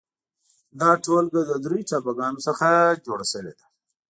دا ټولګه له درېو ټاپوګانو څخه جوړه شوې ده.